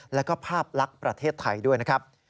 แล้วก็ภาพลักษณ์ประเทศไทยด้วยนะครับ